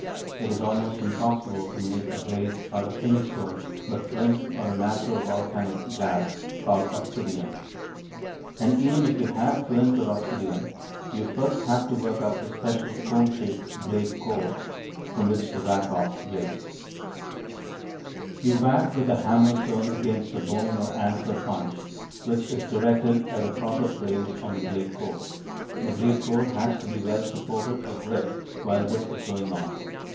It is almost impossible to make a blade out of any stone but flint or a natural volcanic glass called obsidian. And even if you have flint or obsidian, you first have to work up a special cone shaped "blade core," from which to whack off blades. [Illustration: PLAIN BLADE] You whack with a hammer stone against a bone or antler punch which is directed at the proper place on the blade core. The blade core has to be well supported or gripped while this is going on.